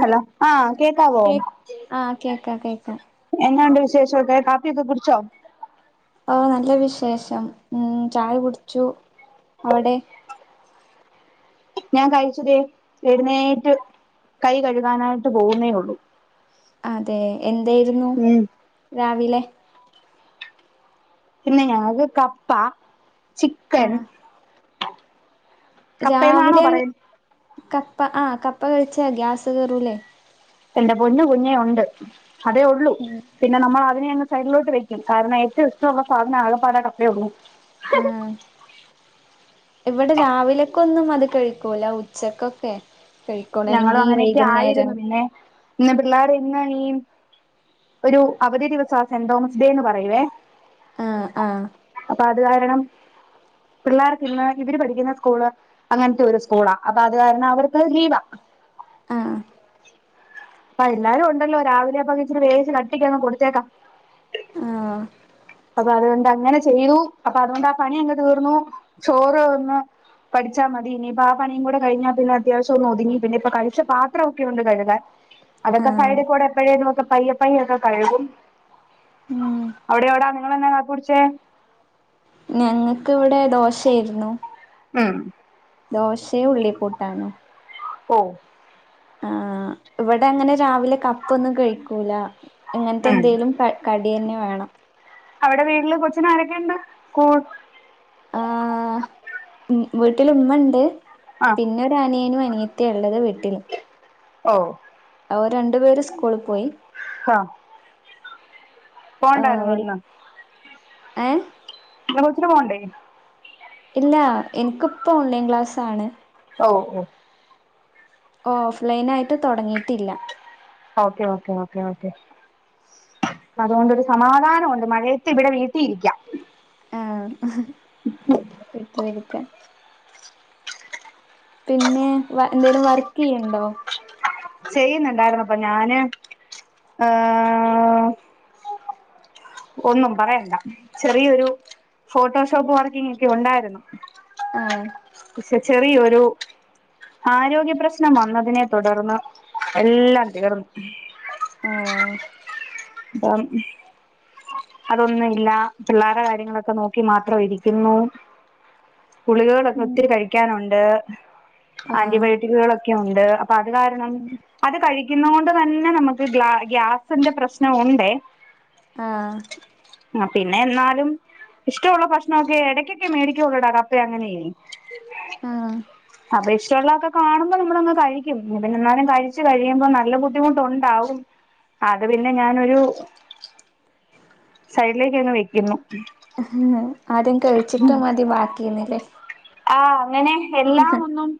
Hello ആ കേക്കാവൊ കേ ആഹ് കേക്കാം കേക്കാം എന്നാണ്ട് വിശേഷമൊക്കെ കാപ്പിയൊക്കെ കുടിച്ചോ ആ നല്ല വിശേഷം ഉം ചായ കുടിച്ചു അവിടെ ഞാൻ കഴിച്ചതേ എഴുന്നേറ്റ് കൈ കഴുകാനായിട്ട് പോകുന്നേ ഉള്ളൂ അതെ എന്തായിരുന്നു ഉം രാവിലെ പിന്നെ ഞങ്ങക്ക് കപ്പ ചിക്കൻ ആഹ് കപ്പേന്നാണോ രാവിലെ പറയല് കപ്പ ആഹ കപ്പ കഴിച്ച ഗ്യാസ് കയറൂല്ലേ എന്റെ പൊഞ്ഞു കുഞ്ഞേ ഉണ്ട് അതേ ഉള്ളൂ ഉം പിന്നെ നമ്മൾ അതിനെ അങ്ങ് സൈഡിലോട്ട് വെക്കും കാരണം ഏറ്റവും ഇഷ്ടമുള്ള സാധനം ആകെ പാലട അപ്പേ ഉള്ളൂ ആഹ് ഇവിടെ രാവിലൊക്കെന്നും അത് കഴിക്കൂല ഉച്ചക്കൊക്കെ കഴിക്കോളൂ ഞങ്ങളും അല്ലെങ്കി അങ്ങനെയൊക്കെ വൈകുന്നേരം ആയിരുന്നു പിന്നെ ഇന്ന പിള്ളേർ എന്നന്താണ് ഈ ഒരു അവധി ദിവസം സെന്റ് തോമസ് ഡേ എന്ന് പറയുവേ ആഹ ആഹ അപ്പൊ അത് കാരണം പിള്ളേർക്ക ഇന്ന് ഇവര് പഠിക്കുന്ന സ്കൂള് അങ്ങനത്തെ ഒരു സ്കൂളാ അപ്പൊ അത് കാരണം അവർക്ക് ലീവ ആഹ അപ്പ എല്ലാരും ഉണ്ടല്ലോ രാവിലെ അപ്പ ഇച്ചിന് വേവിച്ചു കട്ടിക്കങ് കൊടുത്തേക്കാം ആഹ അപ്പൊ അതുകൊണ്ട് അങ്ങനെ ചെയ്തു അപ്പൊ അതുകൊണ്ട് ആ പണി എങ്ങെ തീർന്നു ചോറ് വന്ന് പഠിച്ചാ മതിനിപ്പ ആ പണിയ കൂടെ കഴഞ്ഞാൽന്ന അത്യാവശ്യം ഒതുങ്ങി പിന്നെ ഇപ്പൊ കഴിച്ച പാത്രംൊക്കെ ഉണ്ട് കഴുകാൻ അതൊക്കെ ആഹ് സൈഡിൽ കൂടെ എപ്പഴേലുക്കെ പയ്യെ പയ്യ ഒക്കെ കഴുകും ഉം അവിടെ എവിടാ നിങ്ങെലെന്ന കാപ്പി കുടിച്ച ഞങ്ങൾക്കവിടെ ദോശയായിരുന്നു ഉം ദോശയു ഉള്ളിപ്പൂട്ടാണോ ഓ ആ ഇവിടെ അങ്ങനെ രാവിലെ കപ്പൊന്നും കഴിക്കൂല ഇങ്ങനത്തെ ഉം എന്തെങ്കലും കട് കടി തന്നെ വേണം അവിടെ വീട്ടില് കൊച്ചിന ആരൊക്കെയുണ്ട് കൂട്ടിൻ ആഹ ഉം വീട്ടില ഉമ്മുണ്ട് ആ പിന്നെ അനിയനും അനിയത്തി ഉള്ളത് വീട്ടിൽ ഓ ഓ രണ്ടു പേര് സ്കൂള പോയി പോണ്ടായിരുന്നു ഇന്ന് ഏ ഇ കൊച്ചി പോവണ്ടേ ഇല്ല എനിക്കിപ്പോ ഓൺലൈൻ ക്ലാസ്സാണ് ഓ ഓ ഓ ഓഫ്ലൈൻ ആയിട്ട് തുടങ്ങിയിട്ടില്ല ഓക്കെ ഓക്കെ ഓക്കെ ഓക്കെ അതുകൊണ്ടരു സമാധാനംുണ്ട് മഴയത്ത് ഇവിടെ വീട്ടിരിക്കാം ആഹ വീട്ടില എടുക്കാ പിന്നെ വ എന്തേലും വർക്ക് യ്യണ്ടോ ചെയ്യുന്നുണ്ടായിരുന്നു അപ്പൊ ഞാന് ഏഹ് ഒന്നും പറയണ്ട ചെറിയൊരു ഫോട്ടോഷോപ്പ് വർക്കിങ് ഒക്കെ ഉണ്ടായിരുന്നു ആഹ് പക്ഷെ ചെറിയ ഒരു ആരോഗ്യ പ്ര്രശ്നം വന്നതിനെ തുടർന്ന് എല്ലാം തീർന്നു ആഹ അപ്പം അതൊന്നും ഇല്ല പിള്ളേരുടെ കാര്യങ്ങളൊക്കെ നോക്കി മാത്രം ഇരിക്കുന്നു ഗളികകളൊക്കെ ഒത്തിരി കഴിക്കാനുണ്ട് ആഹ് ആന്റിബയോട്ടിക്കുകളൊക്കെ ഉണ്ട് അപ്പ അത് കാരണം അത് കഴിക്കുന്ന കൊണ്ട് തന്നെ നമുക്ക് ഗാ ഗ്യാസിന്റെ പ്രശ്നം ഉണ്ട് ആഹ അ പിന്നെ എന്നാലും ഇഷ്ടവുള്ള ഭക്ഷണൊക്കെ ഇടക്കൊക്കെ മേടിക്കള്ളട കപ്പയ അങ്ങനെയ് ആഹ് അപ്പ ഇഷ്ടവുള്ളതൊക്കെ കാണുമ്പം നമ്മള് അങ്ങ് കഴിക്കും പിന്നെ എന്നാലും കഴിച്ചു കഴിയുമ്പം നല്ല ബുദ്ധിമുട്ട് ഒണ്ടാവും അത് പിന്നെ ഞാനൊരു സൈഡിലേക്ക് അങ്ങ് വെക്കുന്നു ആദ്യം കഴിച്ചിട്ട് മതി ബാക്കി എന്നല്ലേ ആഹ് അങ്ങനെ എല്ലാം ഒന്നും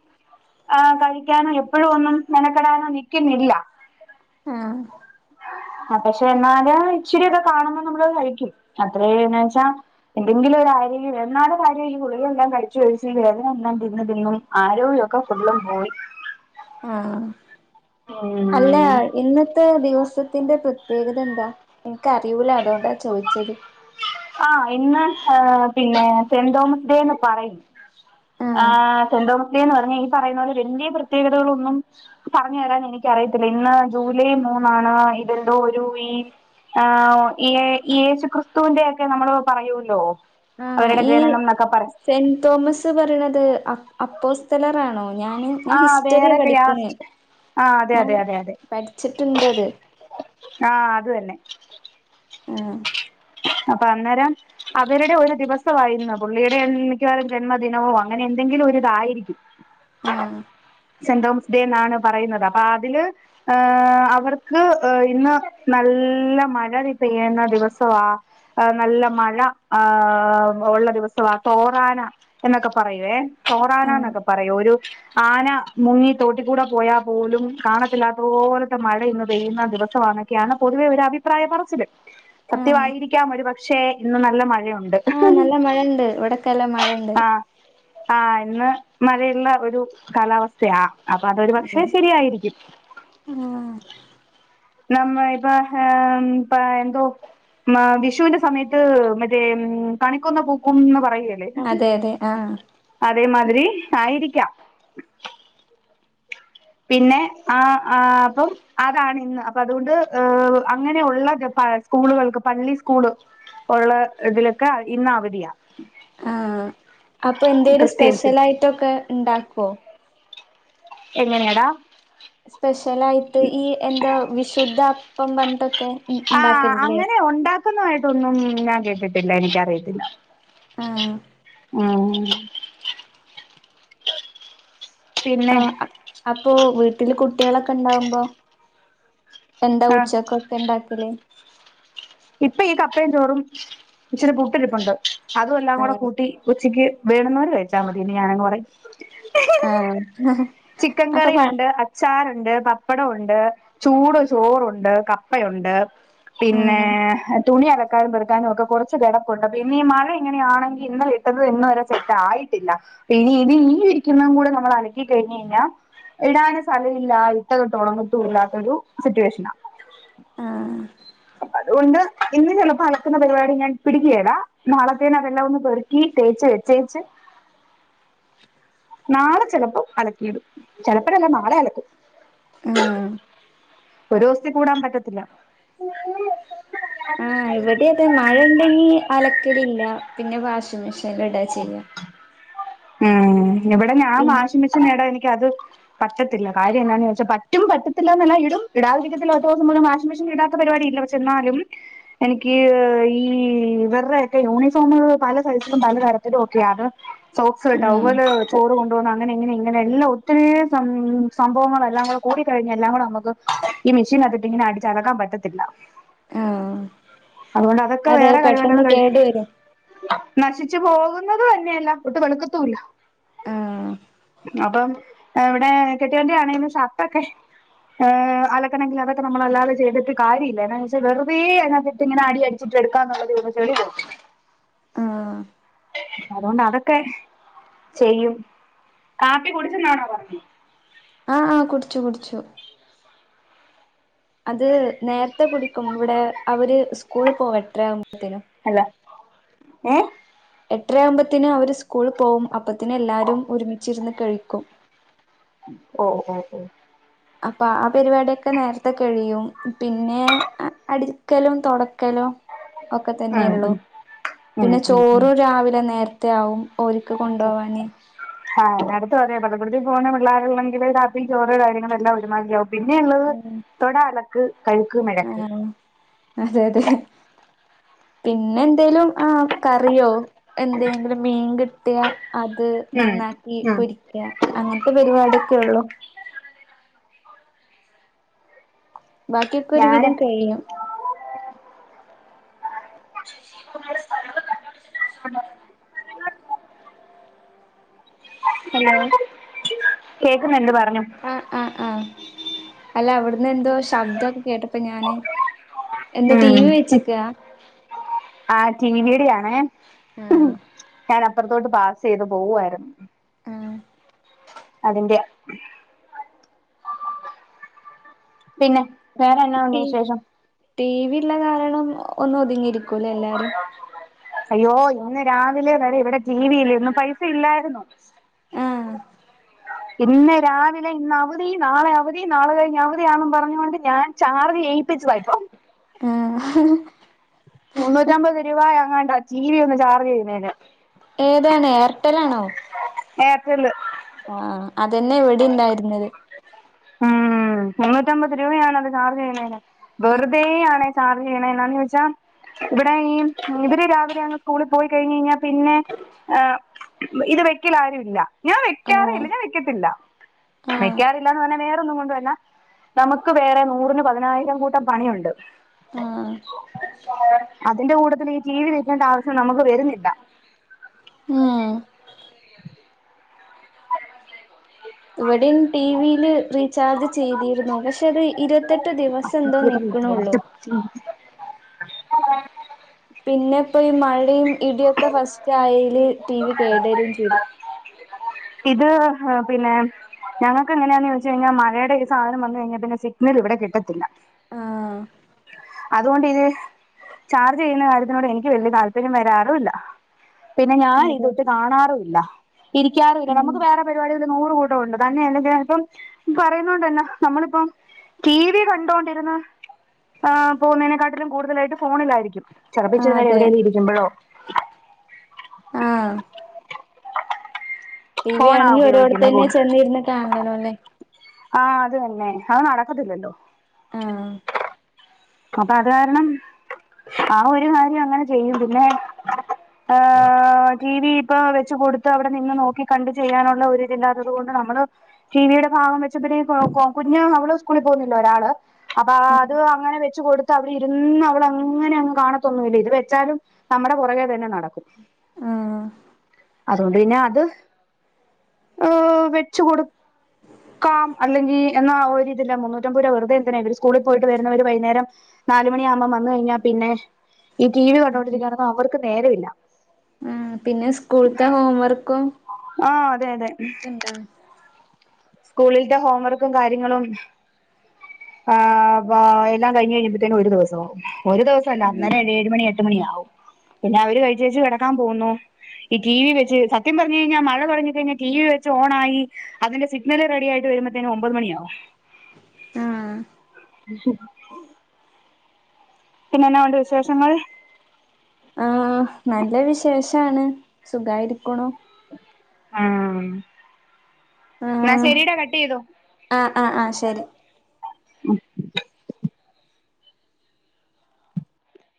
ആഹ് കഴിക്കാനോ എപ്പോഴും ഒന്നും മെനക്കടാനോ നിക്ക്ന്നില്ല ആഹ് ആഹ് പക്ഷെ എന്നാല് ഇച്ചിരിയൊക്കെ കാണുമ്പോ നമ്മള് കഴിക്കും അത്രേ എന്നെച്ച എന്തെങ്കിലും ഒരു ആരോഗ്യ എന്നാലും മളെ ഈ ഗളികളെല്ലാം കഴിച്ച് കഴിച്ച് ഈ വേദന ഒന്നാണ്ട് [unintelligible] ദൈവമേ ആരോഗ്യം ഒക്കെ ഫുള്ളും പോയി ആഹ് ഉം അല്ല ഇന്നത്തെ ദിവസത്തിന്റെ പ്രത്യേകത എന്താ എനിക്ക് അറിയൂല അതോണ്ടാ ചോദിച്ചത് ആഹ് ഇന്ന് പിന്നെ സെന്റ് തോമസ് ഡേന്ന് പറയും ആഹ് സെന്റ് തോമസ് ന്ന് പറഞ്ഞ ഈ പറയുന്ന പോലെ വലിയ പ്രത്യേകതകളൊന്നും പറഞ്ഞ് തരാൻ എനിക്ക് അറിയത്തില്ല ഇന്ന് ജൂലൈ മൂന്നാണ് ഇതെന്തോ ഒരു ഈ ആഹ് ഈ യേശുക്രിസ്തുവിന്റെ ഒക്കെ നമ്മൾ പറയോല്ലോ ആഹ് ഈ സെന്റ് തോമസ് പറയണത് അ അപ്പോസ്തലറാണോ ഞാന് ഞാൻ ആഹ് ഹിസ്റ്ററിയ വേറെ പഠിക്കണെ ക്യാസ്റ്റ് ആഹ് അതെ ഞാൻ അതെ അതെ അതെ പഠിച്ചിട്ടുണ്ട് അത് ആഹ് അത് തന്നെ ആഹ് അപ്പൊ അന്നേരം അവരുടെ ഒരു ദിവസവാ ഇന്ന് പുള്ളിയുടെ മിക്കവാറും ജന്മദിനവോ അങ്ങനെ എന്തെങ്കിലും ഒരു ഇതായിരിക്കും ആഹ് സെന്റ് തോമസ് ഡേ എന്നാണ് പറയുന്നത് അപ്പൊ അതില് ഏഹ് അവർക്ക് ഇന്ന് നല്ല മഴ പെയ്യുന്ന ദിവസവാ ആഹ് നല്ല മഴ ആഹ് ഉള്ള ദിവസവ തോറാന എന്നൊക്കെ പറയുവേ സോറാന ആഹ് എന്നൊക്കെ പറയൂ ഒരു ആന മുങ്ങി തോട്ടിക്കൂടെ പോയാൽ പോലും കാണത്തില്ലാത്ത പോലത്തെ മഴ ഇന്ന് പെയ്യുന്ന ദിവസമാണ് [unintelligible] പൊതുവെ ഒരു അഭിപ്രായം പറച്ചില് ആഹ് സത്യമായിരിക്കാം ഒരു പക്ഷെ ഇന്ന് നല്ല മഴയുണ്ട് ആഹ് നല്ല മഴ ഉണ്ട് ഇവിടക്കെല്ലാം മഴ ഉണ്ട് ആഹ് ആഹ് ഇന്ന് മഴയുള്ള ഒരു കാലാവസ്ഥയാ അപ്പൊ അതൊരു പക്ഷേ ആഹ് ശരിയായിരിക്കും നമ്മയ് പഹ ഉം പഴന്തോ ന്നാ വിഷുവിന്റെ സമയത്ത് മറ്റേ ഉം കണിക്കൊന്ന പൂക്കുന്ന് പറയില്ലേ അതെ അതെ ആഹ് അതേമാരി ആയിരിക്കാം പിന്നെ ആ ആ അപ്പം അതാാണ് ഇന്ന് അപ്പ അതുകൊണ്ട് അങ്ങനെയുള്ള ജപ്പ സ്കൂളുകൾക്ക് പള്ളി സ്കൂള് ഉള്ള ഇതിലൊക്കെ ഇന്ന് അവധിയാണ് ആഹ് അപ്പൊ എന്തേലും ക്രിസ്ത്യൻസിന് സ്പെഷ്യലായിട്ടൊക്കെ ഇണ്ടാക്കോ എങ്ങനെയാടാ സ്പെഷ്യലായിട്ട് ഈ എന്താ വിശുദ്ധ അപ്പം പറഞ്ഞിട്ടൊക്കെ ഇന് ഇണ്ടാക്കല് ഇല്ലേ ക്കൊന്നായിട്ടൊന്നും ഞാൻ കേട്ടിട്ടില്ല എനിക്കറിയത്തില്ല ആഹ് ഉം പിന്നെ ആ അപ്പൊ വീട്ടില് കുട്ടികളൊക്കെ ഇണ്ടാവുമ്പോ, എന്താ ആഹ് ഉച്ചക്കൊക്കെ ഉണ്ടാക്കിലു ഇപ്പൊ ഈ കപ്പയും ചോറും ഇച്ചിരി പുട്ടിരിപ്പുണ്ട് അതും എല്ലാം കൂടെ ആഹ് കൂട്ടി ഉച്ചിക്ക് വേണുന്നവര് കഴിച്ചാൽ മതിനി ഞാനങ് പറയും ആഹ് ചിക്കൻ അപ്പൊ പ കറിയുണ്ട് അച്ചാറുണ്ട് പപ്പടംഉണ്ട് ചൂട് ചോറുണ്ട് കപ്പയുണ്ട് പിന്നെ ആഹ് തുണി അലക്കാനും പെറക്കാനും ഒക്കെ കുറച്ച് കിടപ്പുണ്ട് അപ്പൊ ഇനി ഈ മഴ ഇങ്ങനെയാണെങ്കിൽ ഇന്നല ഇട്ടത് തന്നെ ഇന്നൊരു സെ ആായിട്ടില്ല ഇനി ഇത് നി ഇരിക്കുന്നതും കൂടെ നമ്മൾ അലക്കിിക്കഴിഞ്ഞ കഴിഞ്ഞാൽ ഇടാനുംസ്ഥലമില്ല ഇട്ട തൊട്ടും ഉണങ്ങിട്ടും ഇല്ലാത്തൊരു സിറ്റുവേഷന ആഹ ഉണ്ട് ഇന്ന് ചിലപ്പോ ക്കുന്ന പരിപാടി ഞാൻ പിടിക്കയട നാളത്തേന്ന് അതൊം ഒന്ന് പെറുക്കി തേച്ചച്ച് വെച്ചേച്ച് ഉ നാളെ ചെലപ്പോം അലക്കിയിടും ചിലപ്പോഴല്ല നാളെ അലക്കും ആഹ ഒരു ദിവസത്തിൽ കൂടാൻ പറ്റത്തില്ല ആഹ ഇവിടെ അതെ മഴ ഉണ്ടെങ്കി അലക്കലില്ല പിന്നെ വാഷിംഗ് മെഷീനൽ ഇടാ ചെയ്യാ ഉം ഇവിടെ ഞാൻ പിന്നെ വാഷിംഗ മെഷീൻ നേടാ എനിിക്ക അത് പറ്റത്തില്ല കാര്യ എന്താന്ന് വെച്ചാൽ പറ്റും പറ്റത്തില്ലന്നല്ല ഇടും ഇടാതിരിക്കത്തില്ല ഒറ്റ ദിവസം പോലും വാഷിംഗ്മെഷീൻ ഇടാത്ത പരിപാടിയില്ല എന്നാലും എനിക്ക് ഈ ഈ ഇവരുടെയൊക്കെ യൂണിഫോം പല സൈസിലും പല തരത്തിലും ഒക്കെ അത് സോക്സ് ആഹ് ടവല് ചോറ് കൊണ്ടുപോന്ന അങ്ങനെ ഇങ്ങനെ ഇങ്ങനെ എല്ലാം ഒത്തിരി സംഭവങ്ങളു എല്ലാം കൂടെ കൂടി കഴിഞ്ഞഞ് എല്ലാം കൂടെ നമുക്ക് ഈ മെഷീൻ അതിട്ടി ഇങ്ങനെ അടിച്ചലക്കാൻ പറ്റത്തില്ല ആഹ് അതുകൊണ്ട് അതൊക്കെ അതെ വേറെ കഴിവണ്ടത് പെട്ടെന്ന് കഴ കേട് വരും നശിച്ചു പോകുന്നത് തന്നെയല്ല ഒട്ട് വെളുക്കത്തൂല്ല ആഹ് അപ്പം ഇവിടെ കെട്ടവന്റെയാണേലും ഷർട്ടൊക്കെ ഏ അലക്കണെങ്കിൽ അതൊക്കെ നമ്മളല്ലാതെ ചെയ്ട്ട് കാര്യല്ല എന്നാന്ന് വെച്ചാ വെറുതെ അതിനാത് ഇട്ട് ഇങ്ങന അടി അടി ചിട്ടെടുക്കാന് ഉള്ളതേയുള്ളു ചെളി പോവത്തില്ല ആ അതുകൊണ്ട് അതൊക്കെ ചെയ്യും കാപ്പി കുടിച്ചെന്നാണോ പറങ്ങെ? ആ ആ കുടിച്ചു കുടിച്ചു. അത് നേരത്തെ കുടിക്കും ഇവിടെ അവര് സ്കൂളി പോവു എട്ടരആവുമ്പോഴേതേന്. അല്ല ഏ എട്ടരയാകുമ്പത്തെന് അവര് സ്കൂളിൽ പോവും അപ്പത്തേന് എല്ലാരും ഒരുമിച്ചിരുന്ന് കഴിക്കും. ഓ ഓ ഓ അപ്പൊ ആ പരിപാടിയൊക്കെ നേരത്തെ കഴിയും. പിന്നെ അടിക്കലും തുടക്കലും ഒക്കെ ഉം തന്നെയുള്ളു. ഉം ഉം പിന്നെ, ഉം ഉം ചോറ് രാവിലെ നേരത്തെ ആവും. ഒരിക്ക് കൊണ്ടു പോവാഞ്ഞ് ആഹ് അടുത്ത് അ പറയാെ പള്ളികൂടത്തില് പോകുന്ന പിള്ളേരുള്ളെങ്കില് കാപ്പീും ചോറ് കാര്യങ്ങളെല്ലാം ഒരുമാതിരിയാവും ക്കിയും. പിന്നെയൊള്ളത് തൊട, അലക്ക്, കഴുക്ക്, മഴക്ക് ആഹ് അതെ അതെ, പിന്നെഎന്തേലും ആ കറിയോ എന്തെങ്കിലും മീൻ കിട്ടിയ അത് ഉം നന്നാക്കി ഉം പൊരി യ അങ്ങനത്തെ പിടിപാടൊക്കെ ഒള്ളൂ. ബാക്കിയൊക്കെ ഒരു വിധം ഞാന് കഴിയും. സ്ഥല [unintelligible] [unintelligible] ഹലോ... കേക്കുന്നുണ്ട് പറഞ്ഞോ? ആഹ് ആഹ് ആഹ് അല്ല അവ്ട്ന്ന് എന്തോ ശബ്ദം കേട്ടപ്പോ ഞാന് എന്താ ടി ഉം വി ഹും. വെച്ചക്കാ ആ ടിവിടെയണേ. ഞാൻ അപ്പറത്തോട്ട് പാസ് ചെയ്ത് പോവായ്രുന്നു. ആ അതിന്റെയാ പിന്നെ, വേറെ എന്നാ ഉണ്ട് ടി വിശേഷം? ടി വി ഉള്ള കാരണം ഒന്ന് ഒത്ങ്ങിയിരി [inaudible] അയ്യോ ഇന്ന് രാവിലെ വെരെ ഇവിടെ ടിവിയില്ലെയ്ര്ന്നു ഇന്നു പൈസ ഇല്ലായിരുന്നു. ആഹ് ഇന്ന് രാവിലെ ഇന്ന് അവധി നാളെ അവധി നാളെ കഴിഞ്ഞ് അവധിയാന്നും പറഞ്ഞ് കൊണ്ട് ഞാൻ ചാർജ് ചെയ്യിപ്പിച്ചുതാ ഇപ്പം. ഏഹ്... മുന്നൂറ്റി അമ്പത് രൂപ എങ്ങാണ്ടാ ടി വി ഒന്ന് ചാർജ് ചെയ്യ്ന്നെയ്ന് ഏതാണ് ഏർടെൽ ആണോ? ഏർടെൽ ആഹ് അതെന്നെ ഇവിടേം ഇണ്ടായിര്ന്നെത് ഉം ഉം മുന്നൂറ്റി അമ്പത് രൂപയാണ് അത് ചാർജ് ചെയ്യ്ണെയ്ന് വെറുതെ ആണ് അയ് ചാർജ് ചെയ്യ്ണെ എന്താന്ന് ചോയിച്ചാ ഇവിടെയും ഈ ഇവെര് രാവിലെ അങ്ങ് സ്കൂളി പോയി കഴിഞ്ഞെയ്ഞ്ഞാ പിന്നെ ഏഹ് ഇത് വെക്കൽ ആരും ഇല്ല ഞാൻ ഓ വെക്കാറെ ഇല്ല ഞാൻ വെക്കത്തില്ല ആ വെക്കാറില്ലാന്ന് പർഞാ വേറെ ഒന്നും കൊണ്ടുവന്ന നമുക്ക് വേറെ നൂറിന് പതിനായിരം കൂട്ടം പണിയുണ്ട് ആഹ് അതിന്റെ കൂട്ടത്തിലെന്ന്ഈ ടീവി വെക്കേണ്ട ആവശ്യം നമുക്ക് വെരുന്നില്ല ഉം [inaudible] [inaudible] ഇവെടിം ടി വിയിൽ റീ ചാർജ് ചെയ്തിരുന്നു പക്ഷെ അത് ഇരുവത്തെട്ട് ദിവസം എന്തോ നിക്ക്ണൊള്ളു ആഹ് [unintelligible] പിന്നെ ഇപ്പം ഈ മഴിം ഇടിയൊക്കെ ഫസ്റ്റ് ആയെൽ ടി വി കേടെരും ചെയ്തു [inaudible] ഇത് ഹ് പിന്നെ ഞങ്ങെക്ക് എങ്ങനെയാന്ന് ചോയിച്ച് കഴിഞ്ഞാ മഴയുടെ ഈ സാധനം വന്ന് കഴിഞ്ഞാ പിന്നെ സിഗ്ന്നെൽ ഇവടെ കിട്ടത്തില്ല ആഹ് അതുകൊണ്ട് ഇത് ചാർജ് ചെയ്യുന്ന കാര്യത്തിനോട് എനിക്ക് വെല്ല്യ താല്പര്യം വെരാറും ഇല്ല. പിന്നെ ഞാൻ അതെ ഇതൊട്ട് കാണാറുയില്ല ഇരിക്കാറുയില്ല ഉം നമുക്ക് വേറെ പ പരിപാടി ഒക്കെ നൂറ് കൂട്ടം ഉണ്ട് തന്നെയല്ല അല്ലെങ്കിപ്പം പറയുന്നോണ്ട് യെന്നെ നമ്മളിപ്പം ടി വി കണ്ടോണ്ട് ഇര്ന്ന് ആ പോവുന്നെയ്നെക്കാട്ടിലും കൂട്തലായിട്ടും ഫോണിലായിരിക്കും ചെലപ്പം ഇച്ചിരി ആഹ് നേരം അതെ എവിടെയെങ്കി ഇരിക്കിമ്പെഴോ ആഹ് ടി വി ഫോണാ ആണെങ്കി ഒരോട്ത്ത് ഉപയോഗിക്കുന്നത് കൂ തെന്നെ ചെന്ന് ഇര്ന്ന് കാൺണലോ ലെ ആഹ് അത് തെന്നെ അത് നടക്കത്തില്ലല്ലോ ആഹ് അപ്പ അത് കാരണം ആ ഒര് കാര്യം അങ്ങനെ ചെയ്യും പിന്നെ അഹ് ടിവി ഇപ്പൊ വെച്ച് കൊടുത്ത അവിടെ നിന്ന് നോക്കി കണ്ട് ചെയ്യാനുള്ള ഒരു ഇല്ലാത്തത് കൊണ്ട് നമ്മള് ടിവിടെ ഭാഗം വെച്ചപ്പോഴാകും കൊ കുഞ്ഞ അവൾ സ്കൂളിൽ പോകുന്നില്ല ഒരാള് അപ്പാ അതെ അത് അങ്ങനെ വെ ച്ച കൊടുത്ത് അവിടെ ഇര്ന്ന് അവെൾ അങ്ങനെ അങ്ങ് കാണത്തൊന്നും ഇല്ല ഇത് വെച്ചാലും നമ്മ്ടെ പൊറകെ തന്നെ നടക്കും ഉം അതുകൊണ്ട് പിന്നെ അത് ഓ വെച്ച് കൊട് ക്കാം അല്ലെങ്കി എന്ന ഒര് ഇതില്ല മുന്നൂറ്റി അമ്പയ് രൂപ വെറുതെ എന്തിനാ ഇവെര് സ്കൂളി പോയിട്ട് വെരുന്നെ ഇവെര് വൈന്നേരം നാല് മണിയാകുമ്പും വന്ന് കഴിഞ്ഞാ പിന്നെ ഈ ടി വി ഉം കണ്ടോണ്ടിരിക്ക്യായാനൊന്നും അവെർക്ക് നേരവില്ല ആ പിന്നെ സ്കൂൾത്തെ ഹോം വർക്കും ആഹ് അതെ അതെ കേൾ ക്കണ്ട സ്കൂളിലെത്ത ഹോംവർക്കും കാര്യങ്ങളും ആഹ് വ എല്ലാം കഴിഞ്ഞ് കഴിയുമ്പത്തേകും ഒരു ദിവസം ആവും ഒരു ദിവസമല്ല ഉം അന്നരെ ഏഴ് മണി എട്ട് എട്ട് മണിയാവും പിന്നെ അവര് കഴിച്ചേച്ചു കിടക്കാൻ പോകുന്നു ഈ ടിവി വെച്ച് സത്യം പറഞ്ഞു കഴിഞ്ഞാൽ മഴ തുടങി കഴിഞ്ഞാൽ ടിവി വെച്ച് ഓൺ ആയി അതിന്റെ സു ഇന്നലെ റെ ടിയായിട്ട് വരുമ്പ ത്തേ നും ഒമ്പത് മണിയാവും ആഹ് ഉ പിന്നെ എന്നാ ഉണ്ട് വിശേഷങ്ങൾ ആഹ് നല്ല വിശേഷാണ് സുഖായിരിക്കണു ആഹ് എന്ന ആഹ് ശരിടാ കട്ട്‌ ചെയ്തോ ആഹ് ആഹ് ആഹ് ശരി